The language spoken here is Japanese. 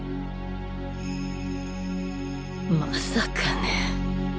まさかね